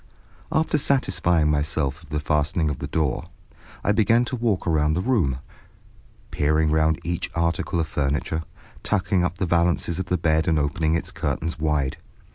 After satisfying myself of the fastening of the door, I began to walk round the room, peering round each article of furniture, tucking up the valances of the bed and opening its curtains wide.